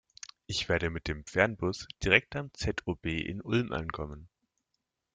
Ich werde mit dem Fernbus direkt am ZOB in Ulm ankommen.